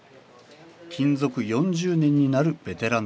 勤続４０年になるベテラン